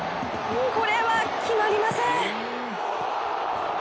これは決まりません。